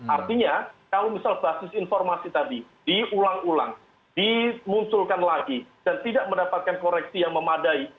artinya kalau misal basis informasi tadi diulang ulang dimunculkan lagi dan tidak mendapatkan koreksi yang memadai